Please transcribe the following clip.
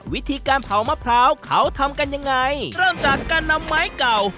วิธีการเผามะพร้าวเขาทำกันยังไงเริ่มจากการนำไม้เก่า